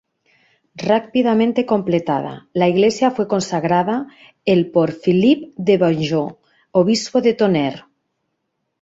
Rápidamente completada, la iglesia fue consagrada el por Philibert de Beaujeu, obispo de Tonnerre.